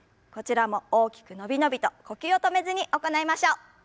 こちらも大きく伸び伸びと呼吸を止めずに行いましょう。